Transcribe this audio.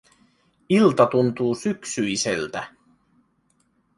Ilta tuntuu syksyiseltä.